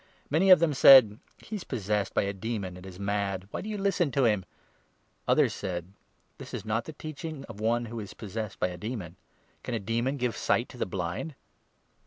Many of them said :" He is possessed by a demon and is mad ; why do you listen to him ?" Others 'said :" This is not the teaching of one who is possessed by a demon. Can a demon give sight to the blind